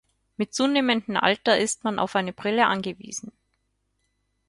Mit zunehmendem Alter ist man auf eine Brille angewiesen.